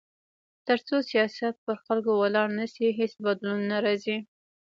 تر څو سیاست پر خلکو ولاړ نه شي، هیڅ بدلون نه راځي.